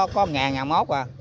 có một ngàn một ngàn mốt rồi